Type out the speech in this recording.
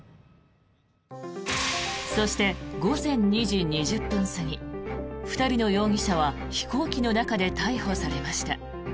そして、午前２時２０分過ぎ２人の容疑者は飛行機の中で逮捕されました。